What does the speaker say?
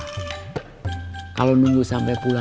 nanti emah kalau mau sholat maghrib jadi susah